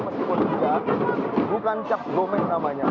meskipun hujan bukan cap gomek namanya